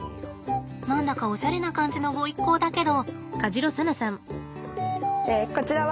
何だかおしゃれな感じのご一行だけど？